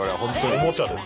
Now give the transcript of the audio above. おもちゃです。